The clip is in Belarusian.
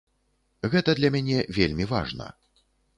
Гэта для мяне вельмі важна.